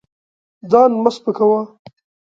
ځان مه سپکوه.